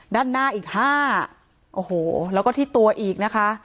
ด้านหน้าอีกห้าโอ้โหแล้วก็ที่ตัวอีกนะคะ